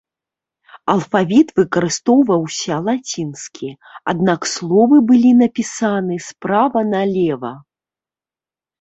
Алфавіт выкарыстоўваўся лацінскі, аднак словы былі напісаны справа налева.